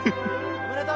おめでとう！